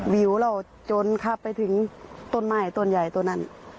วิวเราจนขับไปถึงต้นไม้ต้นใหญ่ต้นนั้น